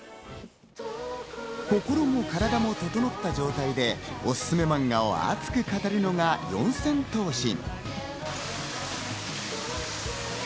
心も体も整った状態でおすすめマンガを熱く語るのは四千頭身。